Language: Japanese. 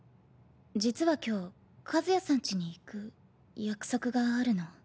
実は今日和也さん家に行く約束があるの。